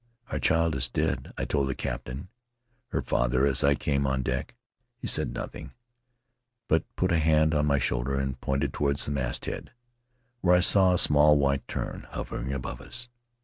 'Our child is dead,' I told the captain, her father, as I came on deck. He said nothing, but put a hand on my shoulder and pointed toward the masthead, where I saw a small white tern hovering above us.